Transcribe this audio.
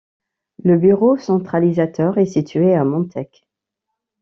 Le bureau centralisateur est situé à Montech.